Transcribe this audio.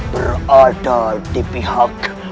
berada di pihak